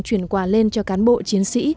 chuyển quà lên cho cán bộ chiến sĩ